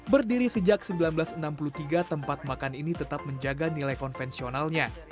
berdiri sejak seribu sembilan ratus enam puluh tiga tempat makan ini tetap menjaga nilai konvensionalnya